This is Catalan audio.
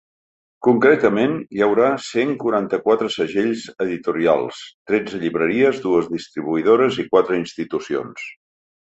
Concretament, hi haurà cent quaranta-quatre segells editorials, tretze llibreries, dues distribuïdores i quatre institucions.